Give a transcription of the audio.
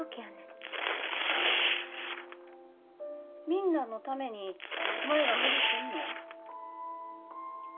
みんなのために舞が無理すんの？